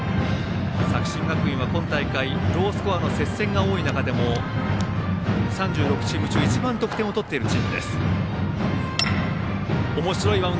作新学院は今大会ロースコアの接戦が多い中でも３６チーム中一番得点を取っているチームです。